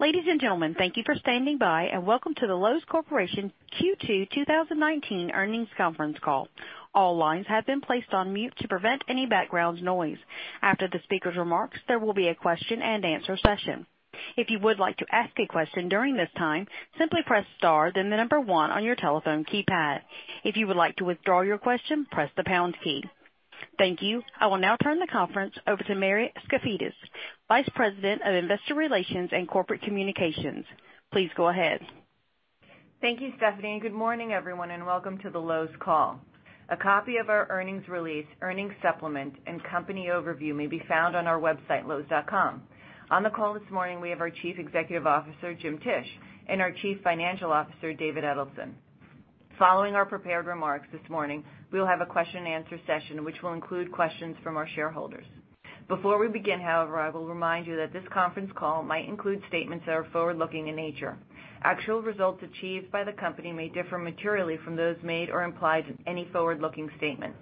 Ladies and gentlemen, thank you for standing by, and welcome to the Loews Corporation Q2 2019 earnings conference call. All lines have been placed on mute to prevent any background noise. After the speaker's remarks, there will be a question-and-answer session. If you would like to ask a question during this time, simply press star then the number one on your telephone keypad. If you would like to withdraw your question, press the pound key. Thank you. I will now turn the conference over to Mary Skafidas, Vice President of Investor Relations and Corporate Communications. Please go ahead. Thank you, Stephanie, and good morning, everyone, and welcome to the Loews call. A copy of our earnings release, earnings supplement, and company overview may be found on our website, loews.com. On the call this morning, we have our Chief Executive Officer, Jim Tisch, and our Chief Financial Officer, David Edelson. Following our prepared remarks this morning, we will have a question-and-answer session, which will include questions from our shareholders. Before we begin, however, I will remind you that this conference call might include statements that are forward-looking in nature. Actual results achieved by the company may differ materially from those made or implied in any forward-looking statements.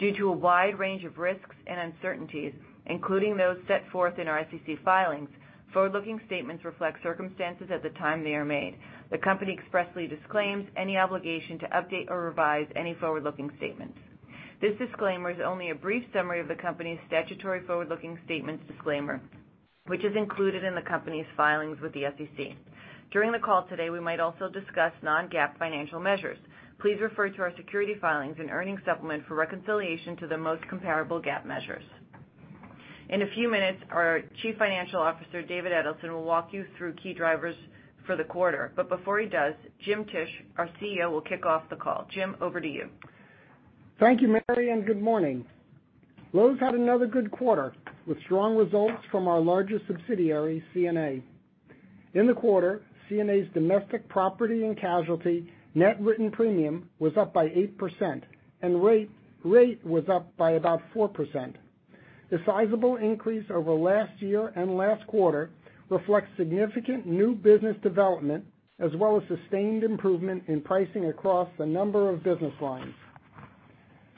Due to a wide range of risks and uncertainties, including those set forth in our SEC filings, forward-looking statements reflect circumstances at the time they are made. The company expressly disclaims any obligation to update or revise any forward-looking statements. This disclaimer is only a brief summary of the company's statutory forward-looking statements disclaimer, which is included in the company's filings with the SEC. During the call today, we might also discuss non-GAAP financial measures. Please refer to our security filings and earnings supplement for reconciliation to the most comparable GAAP measures. In a few minutes, our Chief Financial Officer, David Edelson, will walk you through key drivers for the quarter. Before he does, Jim Tisch, our CEO, will kick off the call. Jim, over to you. Thank you, Mary, and good morning. Loews had another good quarter with strong results from our largest subsidiary, CNA. In the quarter, CNA's domestic property and casualty net written premium was up by 8%, and rate was up by about 4%. The sizable increase over last year and last quarter reflects significant new business development as well as sustained improvement in pricing across a number of business lines.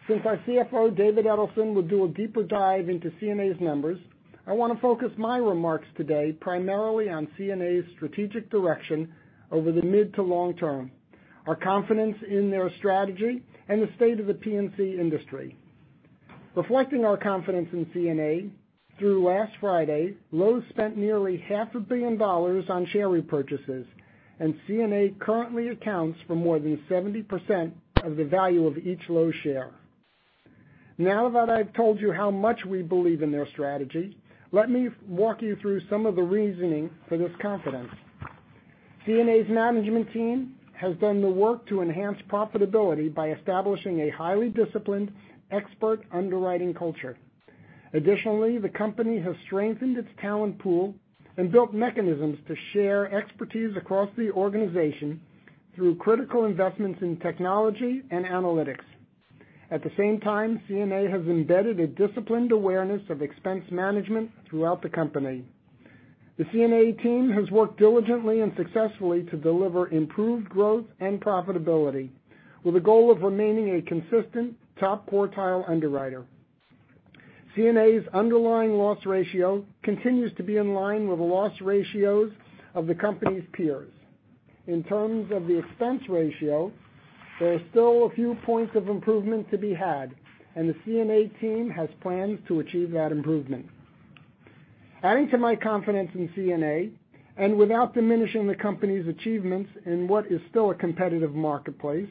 Since our CFO, David Edelson, will do a deeper dive into CNA's numbers, I want to focus my remarks today primarily on CNA's strategic direction over the mid to long term, our confidence in their strategy, and the state of the P&C industry. Reflecting our confidence in CNA, through last Friday, Loews spent nearly half a billion dollars on share repurchases, and CNA currently accounts for more than 70% of the value of each Loews share. Now that I've told you how much we believe in their strategy, let me walk you through some of the reasoning for this confidence. CNA's management team has done the work to enhance profitability by establishing a highly disciplined expert underwriting culture. Additionally, the company has strengthened its talent pool and built mechanisms to share expertise across the organization through critical investments in technology and analytics. At the same time, CNA has embedded a disciplined awareness of expense management throughout the company. The CNA team has worked diligently and successfully to deliver improved growth and profitability, with a goal of remaining a consistent top-quartile underwriter. CNA's underlying loss ratio continues to be in line with the loss ratios of the company's peers. In terms of the expense ratio, there are still a few points of improvement to be had, and the CNA team has plans to achieve that improvement. Adding to my confidence in CNA, and without diminishing the company's achievements in what is still a competitive marketplace,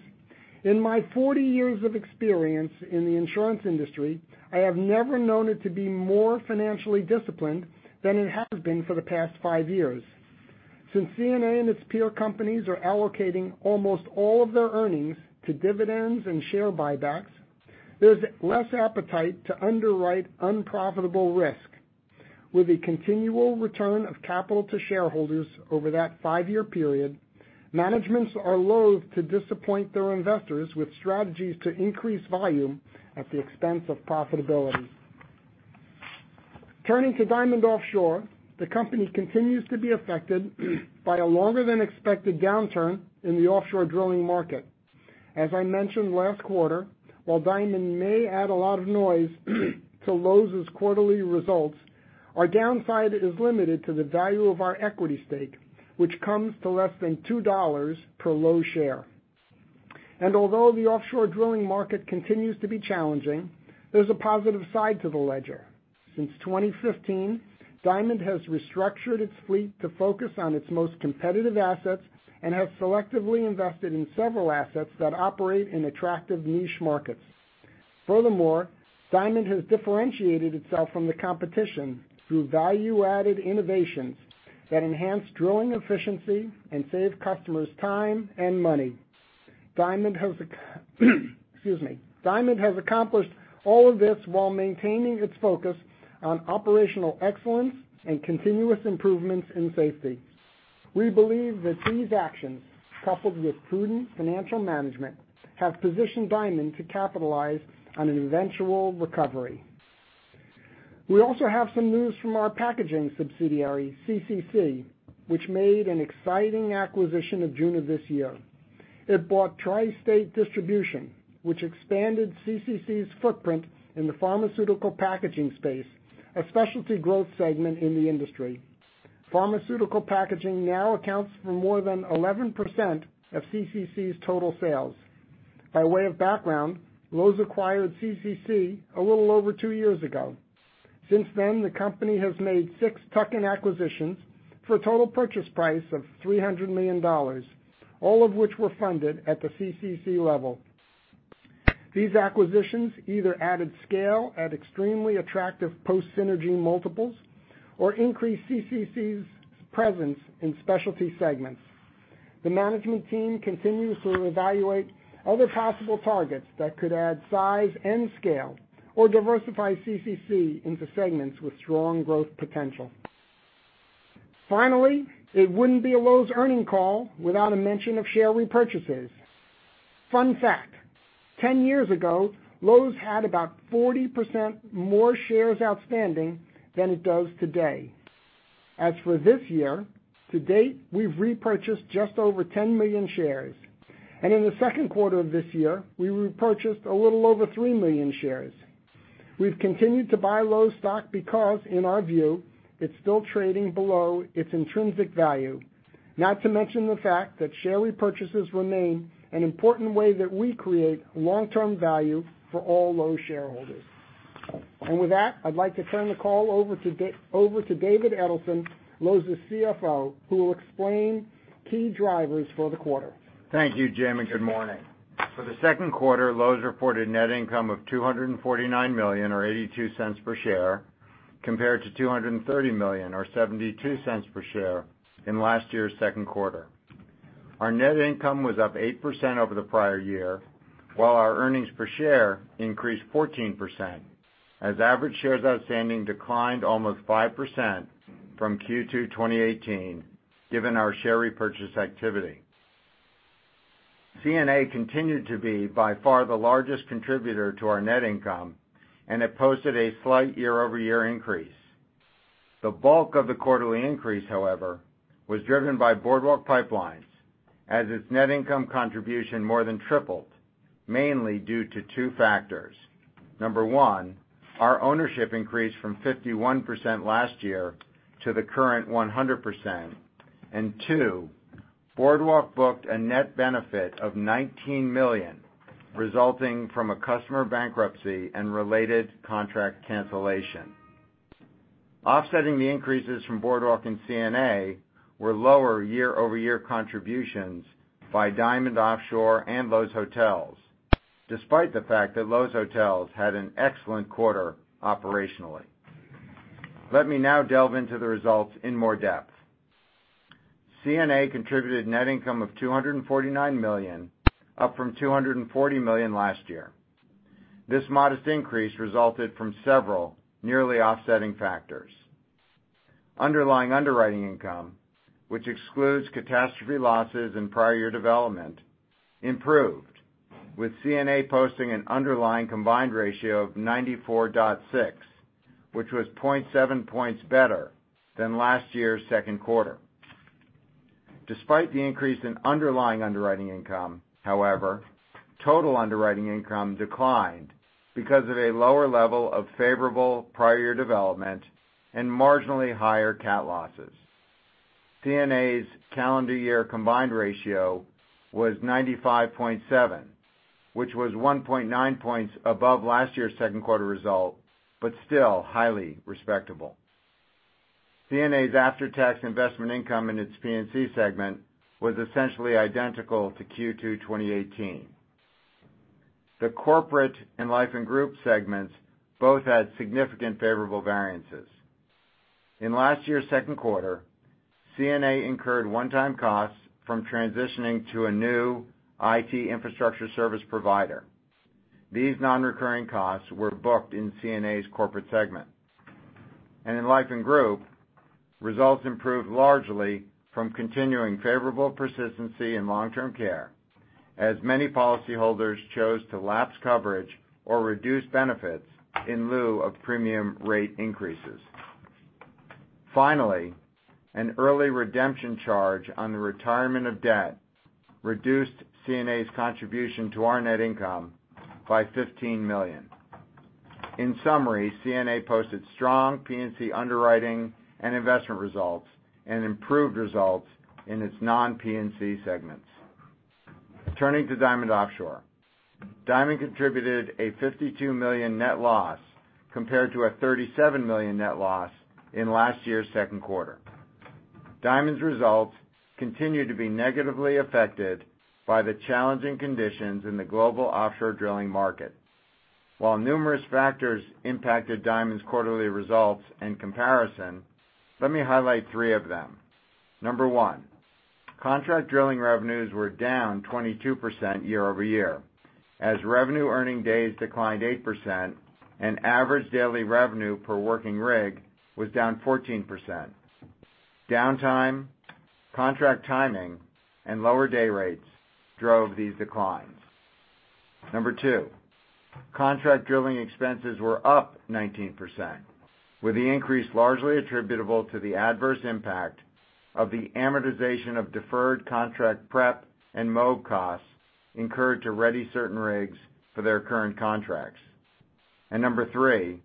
in my 40 years of experience in the insurance industry, I have never known it to be more financially disciplined than it has been for the past five years. Since CNA and its peer companies are allocating almost all of their earnings to dividends and share buybacks, there's less appetite to underwrite unprofitable risk. With a continual return of capital to shareholders over that five-year period, managements are loathe to disappoint their investors with strategies to increase volume at the expense of profitability. Turning to Diamond Offshore, the company continues to be affected by a longer than expected downturn in the offshore drilling market. As I mentioned last quarter, while Diamond may add a lot of noise to Loews' quarterly results, our downside is limited to the value of our equity stake, which comes to less than $2 per Loews share. Although the offshore drilling market continues to be challenging, there's a positive side to the ledger. Since 2015, Diamond has restructured its fleet to focus on its most competitive assets and has selectively invested in several assets that operate in attractive niche markets. Furthermore, Diamond has differentiated itself from the competition through value-added innovations that enhance drilling efficiency and save customers time and money. Diamond has accomplished all of this while maintaining its focus on operational excellence and continuous improvements in safety. We believe that these actions, coupled with prudent financial management, have positioned Diamond to capitalize on an eventual recovery. We also have some news from our packaging subsidiary, CCC, which made an exciting acquisition of June of this year. It bought Tri-State Distribution, which expanded CCC's footprint in the pharmaceutical packaging space, a specialty growth segment in the industry. Pharmaceutical packaging now accounts for more than 11% of CCC's total sales. By way of background, Loews acquired CCC a little over two years ago. Since then, the company has made six tuck-in acquisitions for a total purchase price of $300 million, all of which were funded at the CCC level. These acquisitions either added scale at extremely attractive post-synergy multiples or increased CCC's presence in specialty segments. The management team continues to evaluate other possible targets that could add size and scale or diversify CCC into segments with strong growth potential. Finally, it wouldn't be a Loews earnings call without a mention of share repurchases. Fun fact, 10 years ago, Loews had about 40% more shares outstanding than it does today. As for this year, to date, we've repurchased just over 10 million shares. In the second quarter of this year, we repurchased a little over 3 million shares. We've continued to buy Loews stock because, in our view, it's still trading below its intrinsic value, not to mention the fact that share repurchases remain an important way that we create long-term value for all Loews shareholders. With that, I'd like to turn the call over to David Edelson, Loews' CFO, who will explain key drivers for the quarter. Thank you, Jim, and good morning. For the second quarter, Loews reported net income of $249 million, or $0.82 per share, compared to $230 million, or $0.72 per share in last year's second quarter. Our net income was up 8% over the prior year, while our earnings per share increased 14%, as average shares outstanding declined almost 5% from Q2 2018, given our share repurchase activity. CNA continued to be by far the largest contributor to our net income, and it posted a slight year-over-year increase. The bulk of the quarterly increase, however, was driven by Boardwalk Pipelines as its net income contribution more than tripled, mainly due to two factors. Number one, our ownership increased from 51% last year to the current 100%. Two, Boardwalk booked a net benefit of $19 million resulting from a customer bankruptcy and related contract cancellation. Offsetting the increases from Boardwalk and CNA were lower year-over-year contributions by Diamond Offshore and Loews Hotels, despite the fact that Loews Hotels had an excellent quarter operationally. Let me now delve into the results in more depth. CNA contributed net income of $249 million, up from $240 million last year. This modest increase resulted from several nearly offsetting factors. Underlying underwriting income, which excludes catastrophe losses and prior year development, improved, with CNA posting an underlying combined ratio of 94.6%, which was 0.7 points better than last year's second quarter. Despite the increase in underlying underwriting income, however, total underwriting income declined because of a lower level of favorable prior year development and marginally higher cat losses. CNA's calendar year combined ratio was 95.7%, which was 1.9 points above last year's second quarter result, but still highly respectable. CNA's after-tax investment income in its P&C segment was essentially identical to Q2 2018. The corporate and life and group segments both had significant favorable variances. In last year's second quarter, CNA incurred one-time costs from transitioning to a new IT infrastructure service provider. These non-recurring costs were booked in CNA's corporate segment. In life and group, results improved largely from continuing favorable persistency in long-term care, as many policyholders chose to lapse coverage or reduce benefits in lieu of premium rate increases. Finally, an early redemption charge on the retirement of debt reduced CNA's contribution to our net income by $15 million. In summary, CNA posted strong P&C underwriting and investment results and improved results in its non-P&C segments. Turning to Diamond Offshore. Diamond contributed a $52 million net loss compared to a $37 million net loss in last year's second quarter. Diamond's results continued to be negatively affected by the challenging conditions in the global offshore drilling market. While numerous factors impacted Diamond's quarterly results in comparison, let me highlight three of them. Number one, contract drilling revenues were down 22% year-over-year, as revenue earning days declined 8% and average daily revenue per working rig was down 14%. Downtime, contract timing, and lower day rates drove these declines. Number two, contract drilling expenses were up 19%, with the increase largely attributable to the adverse impact of the amortization of deferred contract prep and mob costs incurred to ready certain rigs for their current contracts. Number three,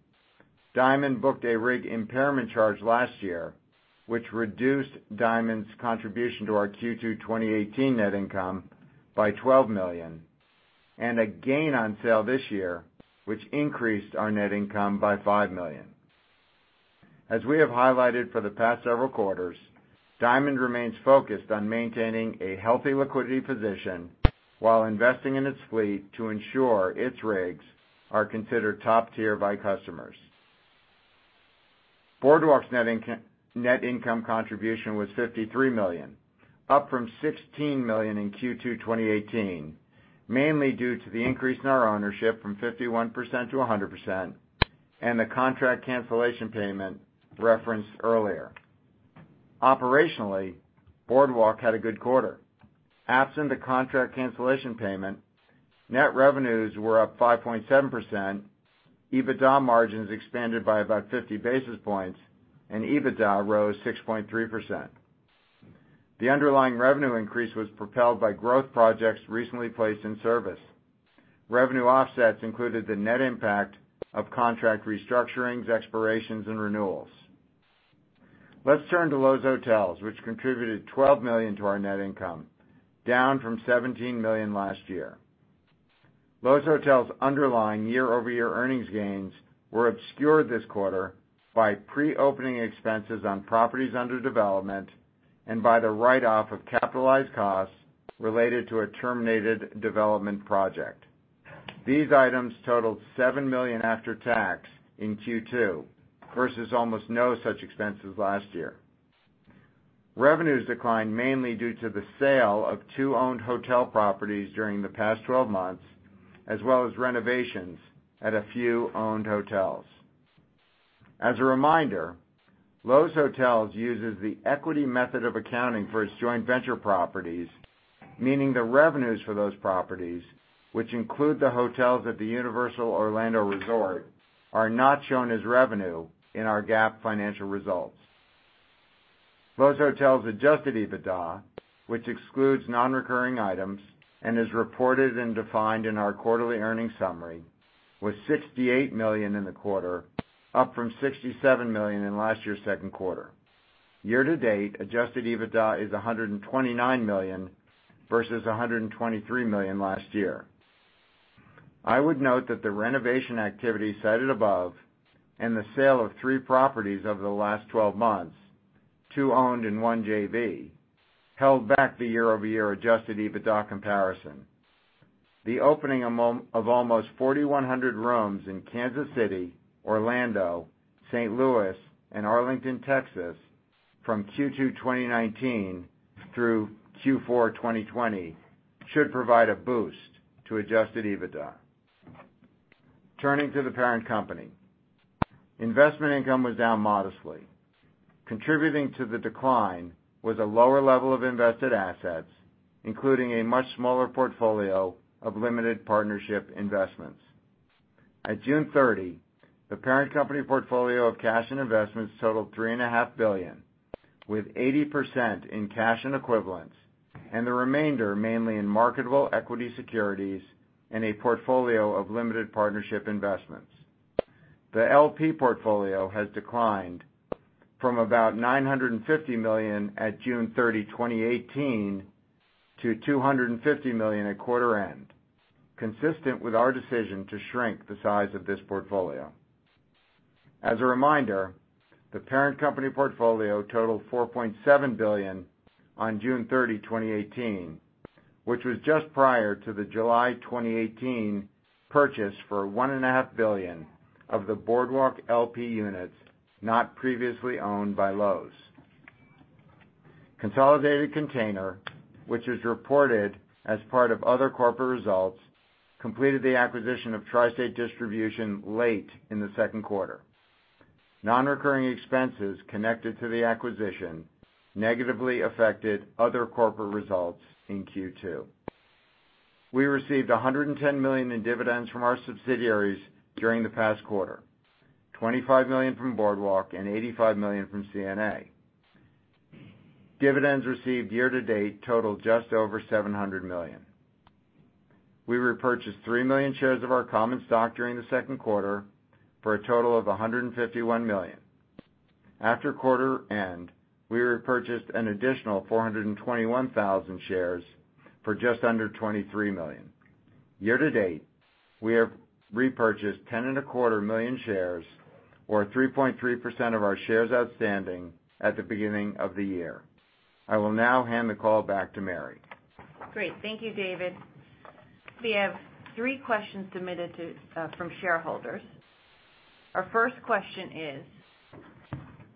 Diamond booked a rig impairment charge last year, which reduced Diamond's contribution to our Q2 2018 net income by $12 million, and a gain on sale this year, which increased our net income by $5 million. As we have highlighted for the past several quarters, Diamond remains focused on maintaining a healthy liquidity position while investing in its fleet to ensure its rigs are considered top tier by customers. Boardwalk's net income contribution was $53 million, up from $16 million in Q2 2018, mainly due to the increase in our ownership from 51% to 100%, and the contract cancellation payment referenced earlier. Operationally, Boardwalk had a good quarter. Absent the contract cancellation payment, net revenues were up 5.7%, EBITDA margins expanded by about 50 basis points, and EBITDA rose 6.3%. The underlying revenue increase was propelled by growth projects recently placed in service. Revenue offsets included the net impact of contract restructurings, expirations, and renewals. Let's turn to Loews Hotels, which contributed $12 million to our net income, down from $17 million last year. Loews Hotels' underlying year-over-year earnings gains were obscured this quarter by pre-opening expenses on properties under development and by the write-off of capitalized costs related to a terminated development project. These items totaled $7 million after tax in Q2 versus almost no such expenses last year. Revenues declined mainly due to the sale of two owned hotel properties during the past 12 months, as well as renovations at a few owned hotels. As a reminder, Loews Hotels uses the equity method of accounting for its joint venture properties, meaning the revenues for those properties, which include the hotels at the Universal Orlando Resort, are not shown as revenue in our GAAP financial results. Loews Hotels' adjusted EBITDA, which excludes non-recurring items and is reported and defined in our quarterly earnings summary, was $68 million in the quarter, up from $67 million in last year's second quarter. Year-to-date, adjusted EBITDA is $129 million versus $123 million last year. I would note that the renovation activity cited above and the sale of three properties over the last 12 months, two owned and one JV, held back the year-over-year adjusted EBITDA comparison. The opening of almost 4,100 rooms in Kansas City, Orlando, St. Louis, and Arlington, Texas from Q2 2019 through Q4 2020 should provide a boost to adjusted EBITDA. Turning to the parent company. Investment income was down modestly. Contributing to the decline was a lower level of invested assets, including a much smaller portfolio of limited partnership investments. At June 30, the parent company portfolio of cash and investments totaled $3.5 billion, with 80% in cash and equivalents, and the remainder mainly in marketable equity securities and a portfolio of limited partnership investments. The LP portfolio has declined from about $950 million at June 30, 2018, to $250 million at quarter end, consistent with our decision to shrink the size of this portfolio. As a reminder, the parent company portfolio totaled $4.7 billion on June 30, 2018, which was just prior to the July 2018 purchase for $1.5 billion of the Boardwalk LP units not previously owned by Loews. Consolidated Container, which is reported as part of other corporate results, completed the acquisition of Tri-State Distribution late in the second quarter. Non-recurring expenses connected to the acquisition negatively affected other corporate results in Q2. We received $110 million in dividends from our subsidiaries during the past quarter, $25 million from Boardwalk and $85 million from CNA. Dividends received year-to-date total just over $700 million. We repurchased 3 million shares of our common stock during the second quarter for a total of $151 million. After quarter end, we repurchased an additional 421,000 shares for just under $23 million. Year-to-date, we have repurchased 10.25 million shares, or 3.3% of our shares outstanding at the beginning of the year. I will now hand the call back to Mary. Great. Thank you, David. We have three questions submitted from shareholders. Our first question is,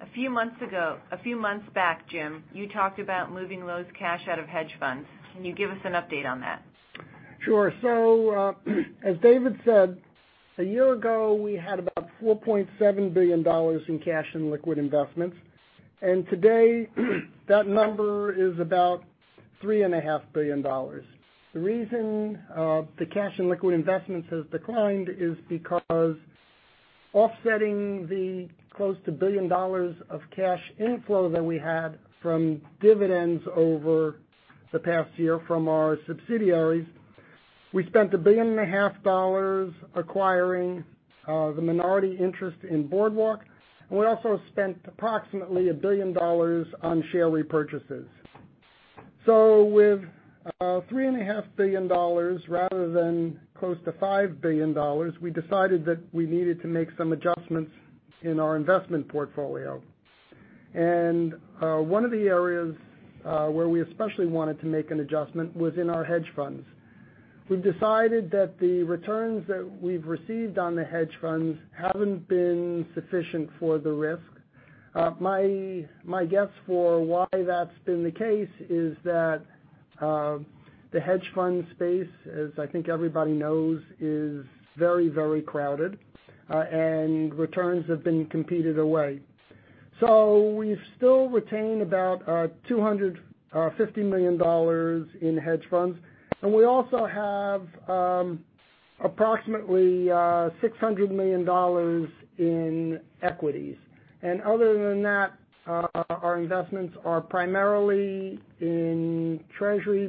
a few months back, James, you talked about moving Loews' cash out of hedge funds. Can you give us an update on that? Sure. As David said, a year ago, we had about $4.7 billion in cash and liquid investments. Today, that number is about $3.5 billion. The reason the cash and liquid investments has declined is because offsetting the close to $1 billion of cash inflow that we had from dividends over the past year from our subsidiaries, we spent $1.5 billion acquiring the minority interest in Boardwalk, and we also spent approximately $1 billion on share repurchases. With $3.5 billion rather than close to $5 billion, we decided that we needed to make some adjustments in our investment portfolio. One of the areas where we especially wanted to make an adjustment was in our hedge funds. We've decided that the returns that we've received on the hedge funds haven't been sufficient for the risk. My guess for why that's been the case is that the hedge fund space, as I think everybody knows, is very, very crowded, and returns have been competed away. We still retain about $250 million in hedge funds, and we also have approximately $600 million in equities. Other than that, our investments are primarily in treasury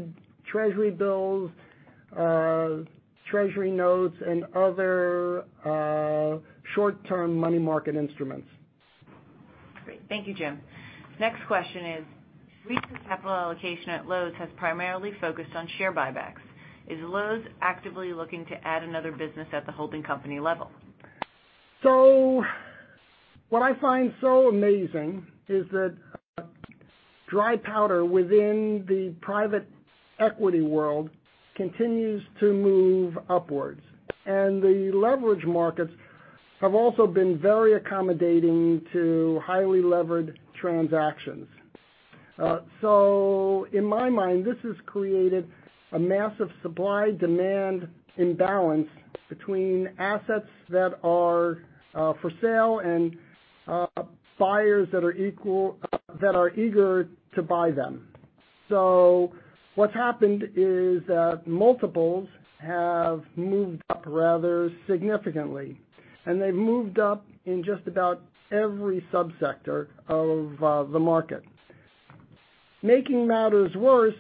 bills, treasury notes, and other short-term money market instruments. Great. Thank you, James. Next question is, recent capital allocation at Loews has primarily focused on share buybacks. Is Loews actively looking to add another business at the holding company level? What I find so amazing is that dry powder within the private equity world continues to move upwards, and the leverage markets have also been very accommodating to highly levered transactions. In my mind, this has created a massive supply-demand imbalance between assets that are for sale and buyers that are eager to buy them. What's happened is that multiples have moved up rather significantly, and they've moved up in just about every subsector of the market. Making matters worse,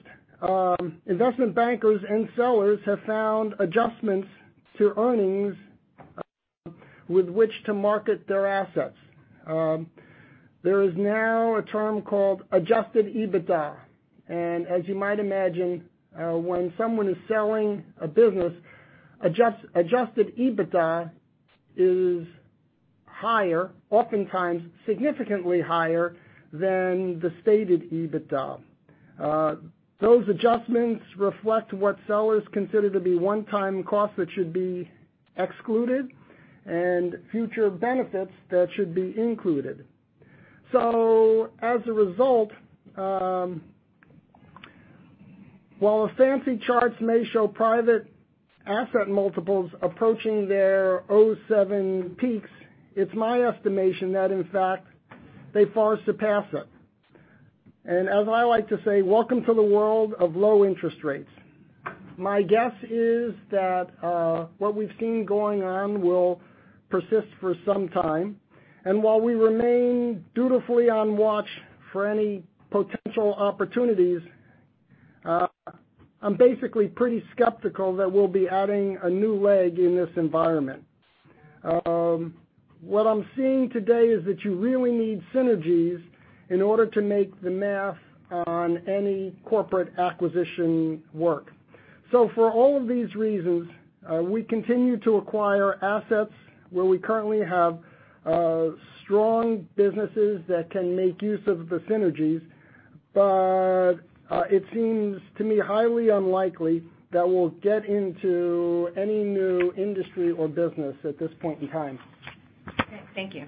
investment bankers and sellers have found adjustments to earnings with which to market their assets. There is now a term called adjusted EBITDA, and as you might imagine, when someone is selling a business, adjusted EBITDA is higher, oftentimes significantly higher than the stated EBITDA. Those adjustments reflect what sellers consider to be one-time costs that should be excluded and future benefits that should be included. As a result, while the fancy charts may show private asset multiples approaching their 2007 peaks, it's my estimation that, in fact, they far surpass it. As I like to say, welcome to the world of low interest rates. My guess is that what we've seen going on will persist for some time. While we remain dutifully on watch for any potential opportunities, I'm basically pretty skeptical that we'll be adding a new leg in this environment. What I'm seeing today is that you really need synergies in order to make the math on any corporate acquisition work. For all of these reasons, we continue to acquire assets where we currently have strong businesses that can make use of the synergies, but it seems to me highly unlikely that we'll get into any new industry or business at this point in time. Okay. Thank you.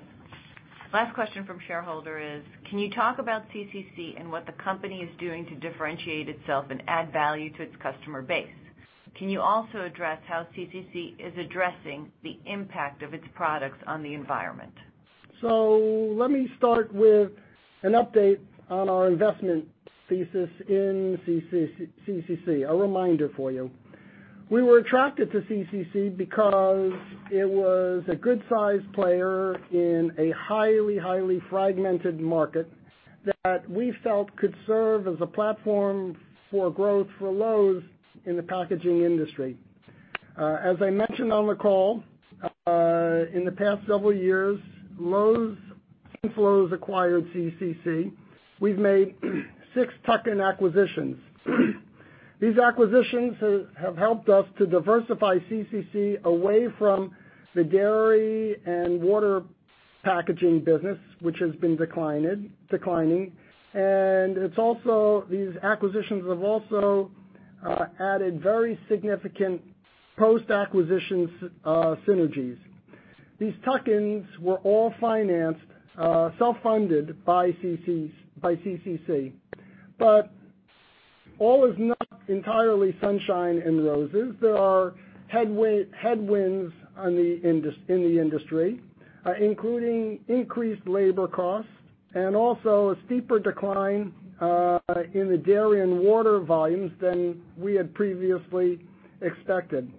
Last question from shareholder is, can you talk about CCC and what the company is doing to differentiate itself and add value to its customer base? Can you also address how CCC is addressing the impact of its products on the environment? Let me start with an update on our investment thesis in CCC. A reminder for you. We were attracted to CCC because it was a good-sized player in a highly fragmented market that we felt could serve as a platform for growth for Loews in the packaging industry. As I mentioned on the call, in the past several years since Loews acquired CCC, we've made six tuck-in acquisitions. These acquisitions have helped us to diversify CCC away from the dairy and water packaging business, which has been declining. These acquisitions have also added very significant post-acquisition synergies. These tuck-ins were all financed, self-funded by CCC. All is not entirely sunshine and roses. There are headwinds in the industry, including increased labor costs and also a steeper decline in the dairy and water volumes than we had previously expected.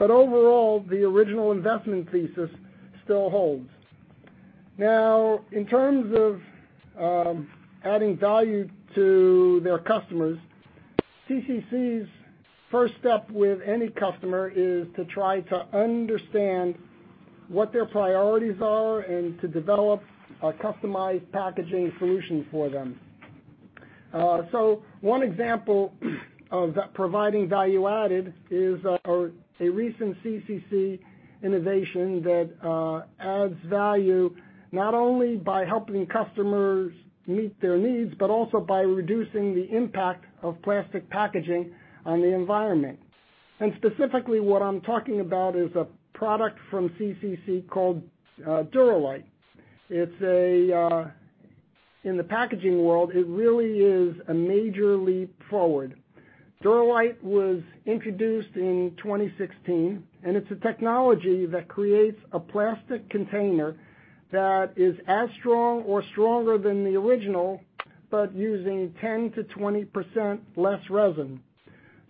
Overall, the original investment thesis still holds. In terms of adding value to their customers, CCC's first step with any customer is to try to understand what their priorities are and to develop a customized packaging solution for them. One example of that providing value added is a recent CCC innovation that adds value not only by helping customers meet their needs, but also by reducing the impact of plastic packaging on the environment. Specifically, what I'm talking is a product from CCC called Dura-Lite. In the packaging world, it really is a major leap forward. Dura-Lite was introduced in 2016, and it's a technology that creates a plastic container that is as strong or stronger than the original, but using 10%-20% less resin.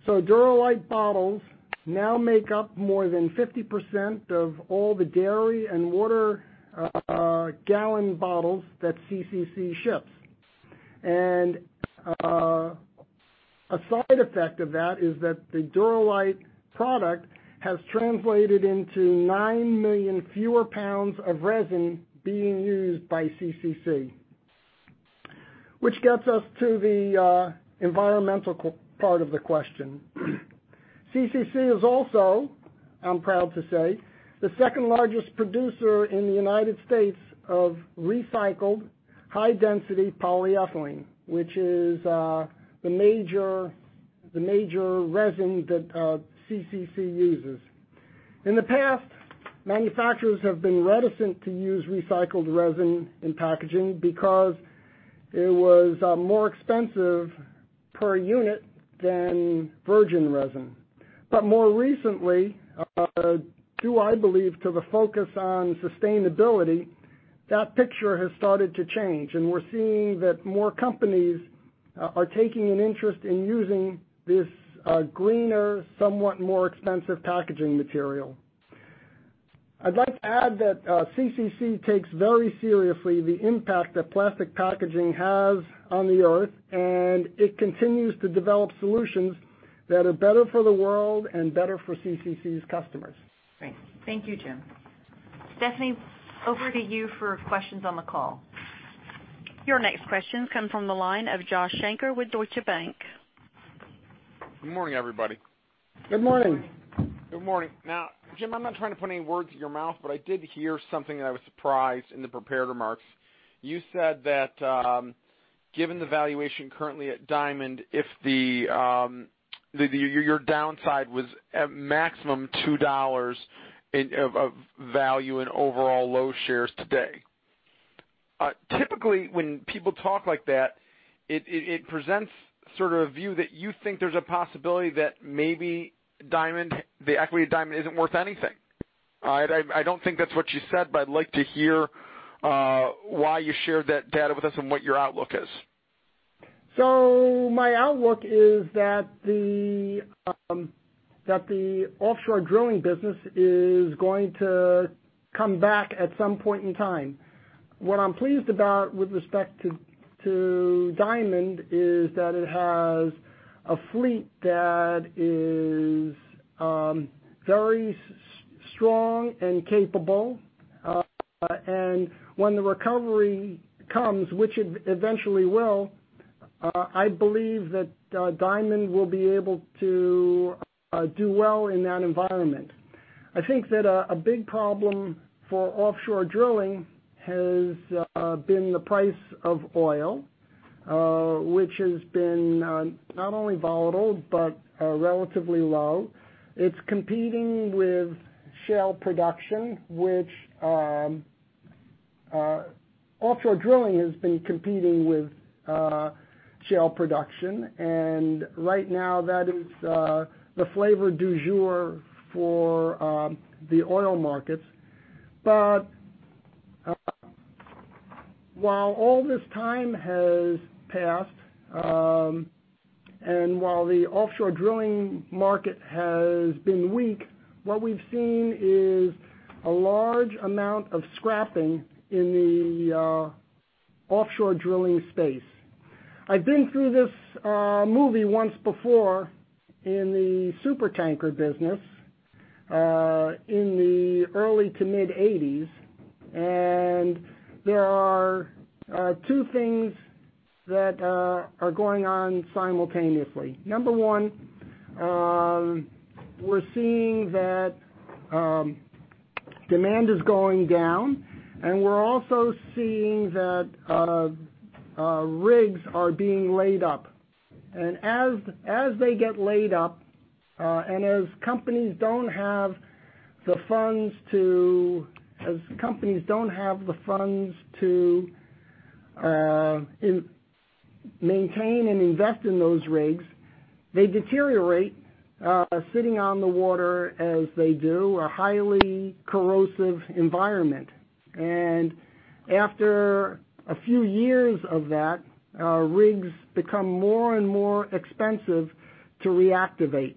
Dura-Lite bottles now make up more than 50% of all the dairy and water gallon bottles that CCC ships. A side effect of that is that the Dura-Lite product has translated into 9 million fewer pounds of resin being used by CCC. Which gets us to the environmental part of the question. CCC is also, I'm proud to say, the second largest producer in the United States of recycled high-density polyethylene, which is the major resin that CCC uses. In the past, manufacturers have been reticent to use recycled resin in packaging because it was more expensive per unit than virgin resin. More recently, due, I believe, to the focus on sustainability, that picture has started to change, and we're seeing that more companies are taking an interest in using this greener, somewhat more expensive packaging material. I'd like to add that CCC takes very seriously the impact that plastic packaging has on the Earth, and it continues to develop solutions that are better for the world and better for CCC's customers. Great. Thank you, James. Stephanie, over to you for questions on the call. Your next question comes from the line of Joshua Shanker with Deutsche Bank. Good morning, everybody. Good morning. Good morning. Good morning. James, I'm not trying to put any words in your mouth, but I did hear something that I was surprised in the prepared remarks. You said that, given the valuation currently at Diamond, if your downside was at maximum $2 of value in overall Loews shares today. Typically, when people talk like that, it presents sort of a view that you think there's a possibility that maybe the equity of Diamond isn't worth anything. I don't think that's what you said, but I'd like to hear why you shared that data with us and what your outlook is. My outlook is that the offshore drilling business is going to come back at some point in time. What I'm pleased about with respect to Diamond is that it has a fleet that is very strong and capable. When the recovery comes, which it eventually will, I believe that Diamond will be able to do well in that environment. I think that a big problem for offshore drilling has been the price of oil, which has been not only volatile, but relatively low. It's competing with shale production, which offshore drilling has been competing with shale production, and right now that is the flavor du jour for the oil markets. While all this time has passed, and while the offshore drilling market has been weak, what we've seen is a large amount of scrapping in the offshore drilling space. I've been through this movie once before in the supertanker business in the early to mid-1980s, there are two things that are going on simultaneously. Number one, we're seeing that demand is going down, we're also seeing that rigs are being laid up. As companies don't have the funds to maintain and invest in those rigs, they deteriorate sitting on the water as they do, a highly corrosive environment. After a few years of that, rigs become more and more expensive to reactivate.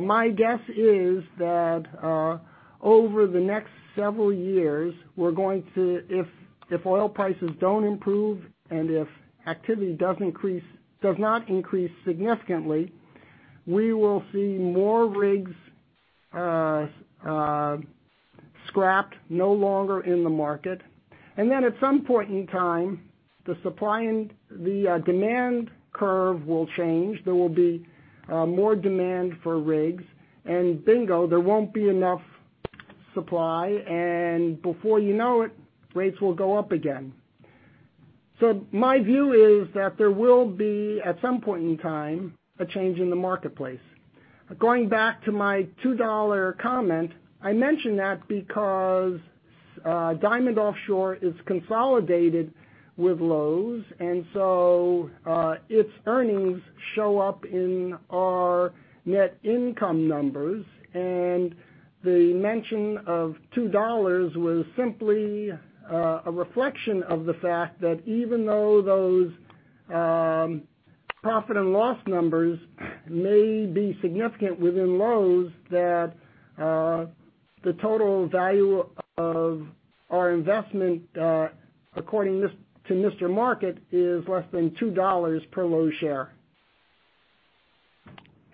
My guess is that over the next several years, if oil prices don't improve and if activity does not increase significantly, we will see more rigs scrapped, no longer in the market. Then at some point in time, the supply and the demand curve will change. There will be more demand for rigs, and bingo, there won't be enough supply, and before you know it, rates will go up again. My view is that there will be, at some point in time, a change in the marketplace. Going back to my $2 comment, I mentioned that because Diamond Offshore is consolidated with Loews, its earnings show up in our net income numbers. The mention of $2 was simply a reflection of the fact that even though those profit and loss numbers may be significant within Loews, that the total value of our investment, according to Mr. Market, is less than $2 per Loews share.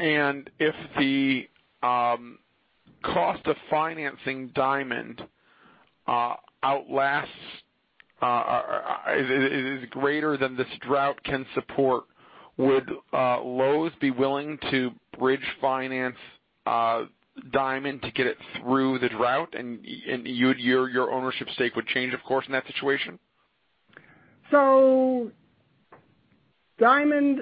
If the cost of financing Diamond is greater than this drought can support, would Loews be willing to bridge finance Diamond to get it through the drought? Your ownership stake would change, of course, in that situation? Diamond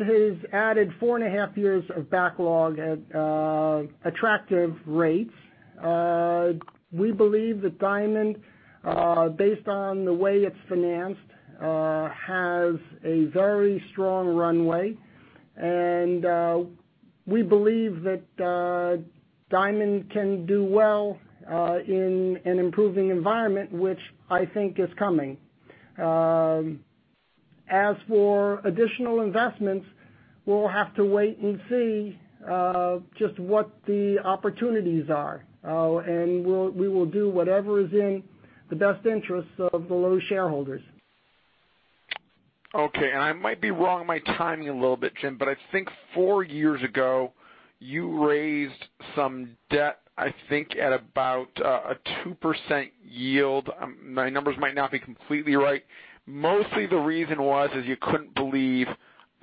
has added four and a half years of backlog at attractive rates. We believe that Diamond, based on the way it's financed, has a very strong runway, and we believe that Diamond can do well in an improving environment, which I think is coming. As for additional investments, we'll have to wait and see just what the opportunities are. We will do whatever is in the best interests of the Loews shareholders. Okay. I might be wrong on my timing a little bit, Jim, but I think four years ago, you raised some debt, I think at about a 2% yield. My numbers might not be completely right. Mostly the reason was, is you couldn't believe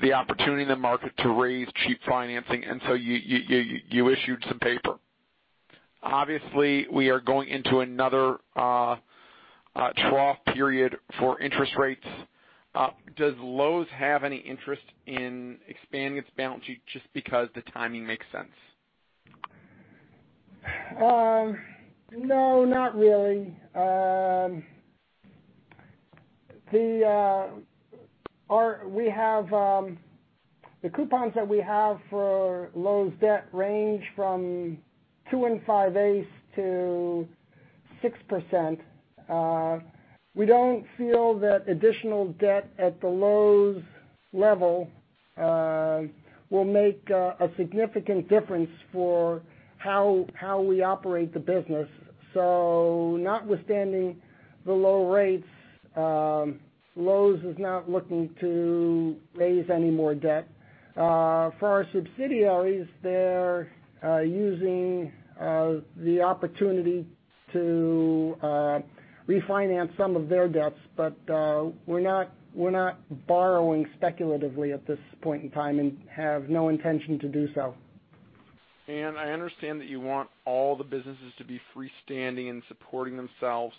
the opportunity in the market to raise cheap financing, you issued some paper. Obviously, we are going into another trough period for interest rates. Does Loews have any interest in expanding its balance sheet just because the timing makes sense? No, not really. The coupons that we have for Loews debt range from two and five-eighths to 6%. Notwithstanding the low rates, Loews is not looking to raise any more debt. For our subsidiaries, they're using the opportunity to refinance some of their debts, but we're not borrowing speculatively at this point in time and have no intention to do so. I understand that you want all the businesses to be freestanding and supporting themselves.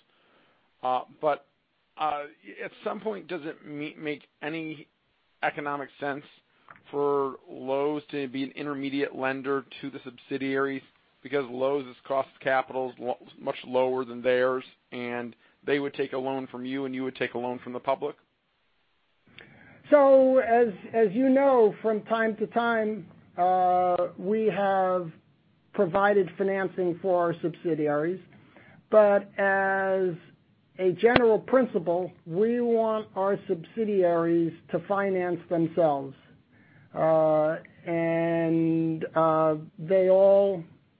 At some point, does it make any economic sense for Loews to be an intermediate lender to the subsidiaries? Loews' cost of capital is much lower than theirs, and they would take a loan from you, and you would take a loan from the public. As you know, from time to time, we have provided financing for our subsidiaries. As a general principle, we want our subsidiaries to finance themselves.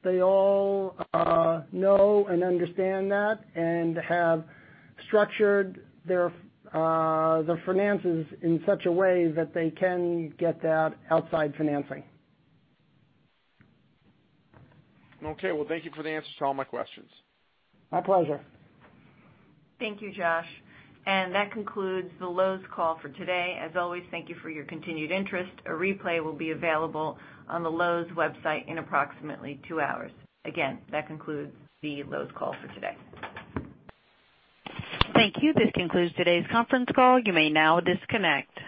They all know and understand that and have structured their finances in such a way that they can get that outside financing. Okay. Well, thank you for the answers to all my questions. My pleasure. Thank you, Josh. That concludes the Loews call for today. As always, thank you for your continued interest. A replay will be available on the Loews website in approximately two hours. Again, that concludes the Loews call for today. Thank you. This concludes today's conference call. You may now disconnect.